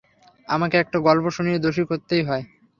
আমাকে একটা গল্প শুনিয়ে দোষী করতেই হয়!